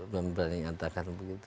belum berani nyatakan begitu